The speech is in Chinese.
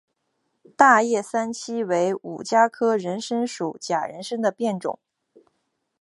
大叶三七为五加科人参属假人参的变种。